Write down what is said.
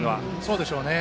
そうでしょうね。